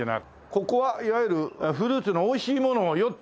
ここはいわゆるフルーツの美味しいものをよって。